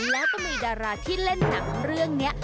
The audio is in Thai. แล้วก็มีดาราที่เล่นหนังเรื่องนี้